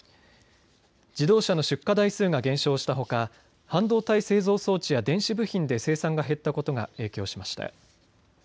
自動車の出荷台数が減少したほか半導体製造装置や電子部品で生産が減ったことが影響しました。